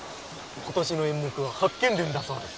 今年の演目は「八犬伝」だそうです。